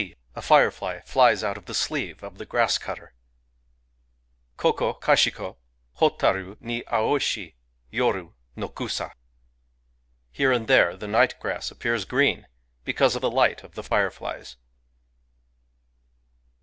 a firefly flies out of the sleeve of the grass cutter ! Koko kashiko, Hotaru ni aoshi Yoru no kusa. Here and there the night grass appears green, because of the light of the fireflies.